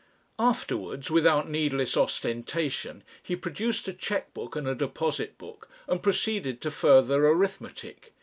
Afterwards, without needless ostentation, he produced a cheque book and a deposit book, and proceeded to further arithmetic.